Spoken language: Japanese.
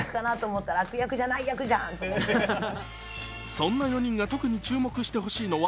そんな４人が特に注目してほしいのは